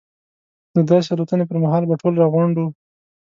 د داسې الوتنې پر مهال به ټول راغونډ وو.